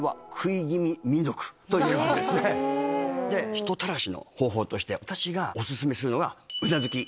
人たらしの方法として私がお勧めするのが。